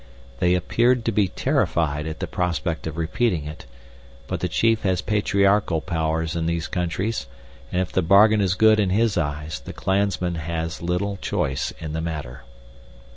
They appeared to be terrified at the prospect of repeating it, but the chief has patriarchal powers in these countries, and if the bargain is good in his eyes the clansman has little choice in the matter.